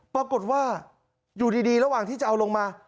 ปรากฏว่าอยู่ดีระหว่างที่จะเอาลงมา